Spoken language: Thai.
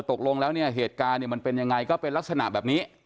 ตกลงแล้วเนี่ยเหตุการณ์เนี่ยมันเป็นยังไงก็เป็นลักษณะแบบนี้